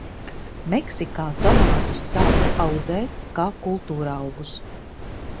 Meksikā tomātus sāka audzēt kā kultūraugus.